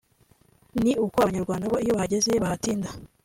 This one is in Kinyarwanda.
ni uko Abanyarwanda bo iyo bahageze batahatinda